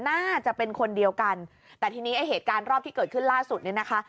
น่าจะเป็นคนเดียวกันแต่ทีนี้ไอ้เหตุการณ์รอบที่เกิดขึ้นล่าสุดเนี่ยนะคะ